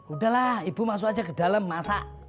udahlah ibu masuk aja ke dalam masak